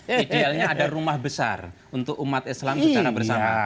idealnya ada rumah besar untuk umat islam secara bersamaan